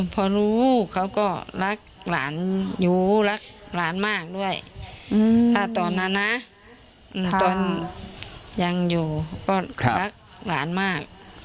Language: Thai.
พอรู้เขาก็รักหลานอยู่รักหลานมากด้วยถ้าตอนนั้นนะตอนยังอยู่ก็รักหลานมาก